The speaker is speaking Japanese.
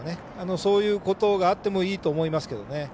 そういうことがあってもいいと思いますけどね。